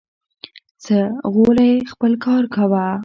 ځه غولی خپل کار کوه